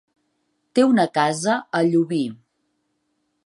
Té una casa a Llubí.